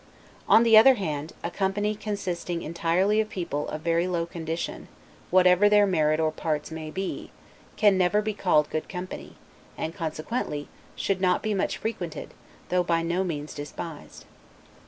On the other hand, a company consisting entirely of people of very low condition, whatever their merit or parts may be, can never be called good company; and consequently should not be much frequented, though by no means despised.